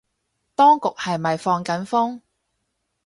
當局係咪放緊風